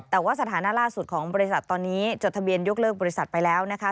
แต่ว่าสถานะล่าสุดของบริษัทตอนนี้จดทะเบียนยกเลิกบริษัทไปแล้วนะคะ